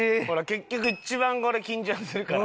結局一番これ緊張するから。